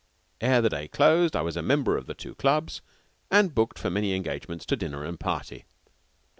Ere the day closed I was a member of the two clubs, and booked for many engagements to dinner and party.